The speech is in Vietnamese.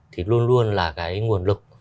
thì luôn luôn là cái nguồn lực